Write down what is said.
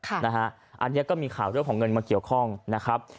อันนี้ก็มีข่าวเรื่องของเงินมาเกี่ยวข้องนะครับ